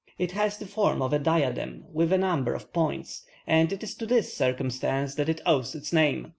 It has the form of a diadem with a number of points, and it is to this circumstance that it owes its name.